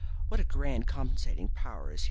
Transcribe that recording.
What a grand compensating power is here!